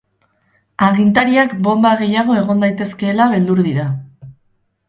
Agintariak bonba gehiago egon daitezkeela beldur dira.